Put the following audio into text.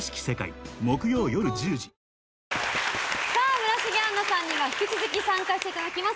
村重杏奈さんには引き続き参加していただきます。